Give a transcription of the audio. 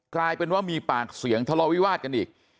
กลายเป็นว่ามีปากเสียงทะเลาวิวาสกันอีก